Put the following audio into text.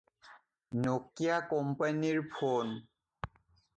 ন’কিয়া কোম্পানীৰ ফ’ন